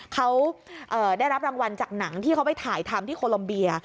เขาได้รับรางวัลจากหนังที่เขาไปถ่ายทำที่โคลัมเบีย